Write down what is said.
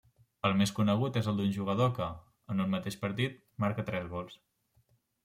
El més conegut és el d'un jugador que, en un mateix partit, marca tres gols.